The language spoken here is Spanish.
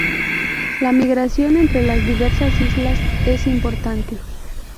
La migración entre las diversas islas es importante.